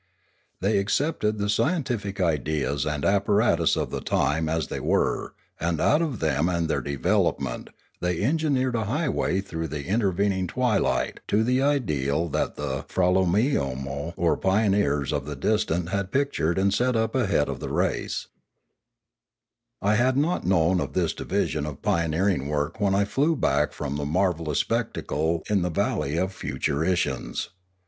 They accepted the scientific ideas and apparatus of the time as they were and out of them and their develop ment they engineered a highway through the inter vening twilight to the ideal that the Fraloomiaino or pioneers of the distant had pictured and set up ahead of the race. Pioneering 439 I had not known of this division of pioneering work when I flew back from the marvellous spectacle in the valley of futuritions.